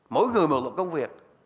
mỗi người một công việc